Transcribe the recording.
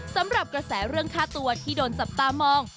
สำหรับกระแสเรื่องค่าตัวที่โดนจับตามอง